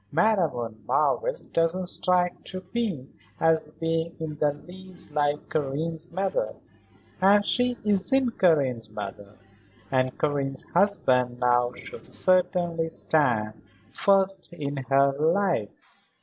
"Madame von Marwitz doesn't strike me as being in the least like Karen's mother. And she isn't Karen's mother. And Karen's husband, now, should certainly stand first in her life."